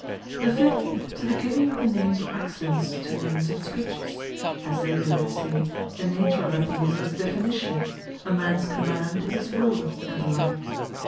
The fifth, to the giving of the names of Accidents, to Names and Speeches; as they do that say, The Nature Of A Thing Is In Its Definition; A Mans Command Is His Will; and the like.